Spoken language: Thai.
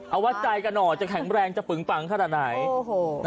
เอาว่าใจกระหน่อจะแข็งแรงจะปึ๋งปังขนาดไหน